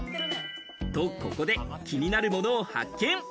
と、ここで気になるものを発見。